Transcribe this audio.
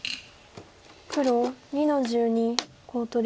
黒２の十二コウ取り。